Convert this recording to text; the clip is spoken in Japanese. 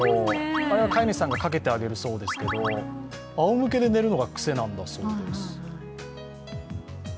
飼い主さんがかけてあげるそうですけどあおむけで寝るのが癖なんだそうです。